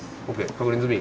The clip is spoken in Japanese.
確認済み？